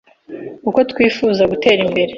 Uko twifuza gutera imbere